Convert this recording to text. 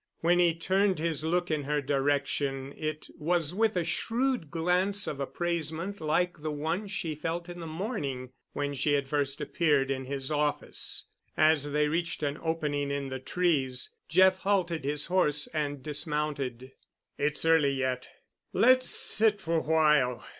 When he turned his look in her direction it was with a shrewd glance of appraisement like the one she felt in the morning when she had first appeared in his office. As they reached an opening in the trees Jeff halted his horse and dismounted. "It's early yet. Let's sit for a while.